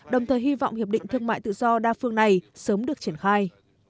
đồng thời hy vọng hiệp định thương mại tự do đa phương này sớm được triển khai